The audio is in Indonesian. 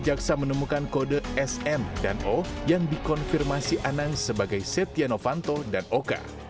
jaksa menemukan kode sn dan o yang dikonfirmasi anang sebagai setia novanto dan oka